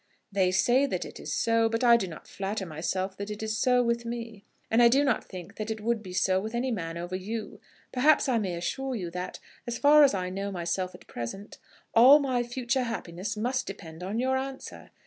"They say that it is so; but I do not flatter myself that it is so with me; and I do not think that it would be so with any man over you. Perhaps I may assure you that, as far as I know myself at present, all my future happiness must depend on your answer.